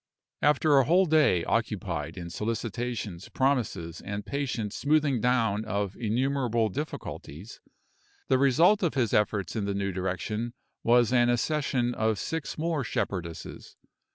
After a whole day occupied in solicitations, promises, and patient smoothing down of innumerable difficulties, the result of his efforts in the new direction was an accession of six more shepherdesses.